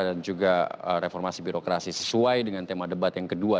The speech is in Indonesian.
dan juga reformasi birokrasi sesuai dengan tema debat yang kedua